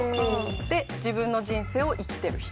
で自分の人生を生きてる人。